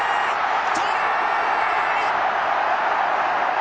トライ！